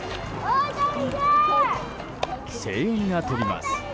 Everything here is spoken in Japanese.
声援が飛びます。